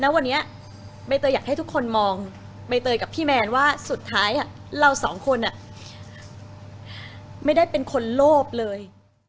แล้ววันนี้ใบเตยอยากให้ทุกคนมองใบเตยกับพี่แมนว่าสุดท้ายเราสองคนไม่ได้เป็นคนโลภเลย